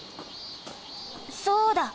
そうだ！